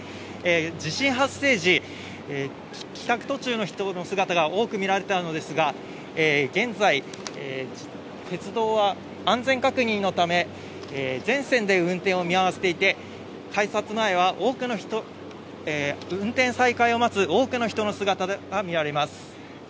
地震発生時、帰宅途中の人の姿が多く見られたのですが現在、鉄道は安全確認のため全線で運転を見合わせていて改札前は運転再開を待つ多くの人の姿が見られます。